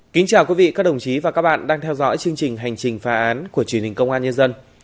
kính chào quý vị các đồng chí và các bạn đang theo dõi chương trình hành trình phá án của truyền hình công an nhân dân